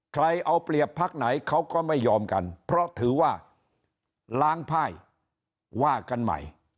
ใครเอาเปรียบพักไหนเขาก็ไม่ยอมกันเพราะถือว่าล้างไพ่ว่ากันใหม่